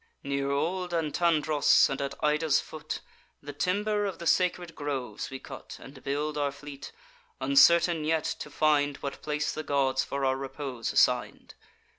Near old Antandros, and at Ida's foot, The timber of the sacred groves we cut, And build our fleet; uncertain yet to find What place the gods for our repose assign'd.